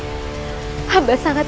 kalau begitu amba pamit